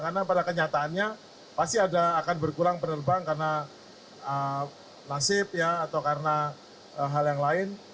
karena pada kenyataannya pasti ada akan berkurang penerbang karena nasib atau karena hal yang lain